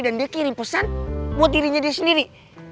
dan dia kirim pesan buat dirinya dia sendiri